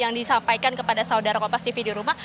yang disampaikan kepada saudara kompas tv di rumah